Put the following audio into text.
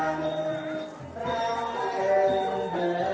การทีลงเพลงสะดวกเพื่อความชุมภูมิของชาวไทย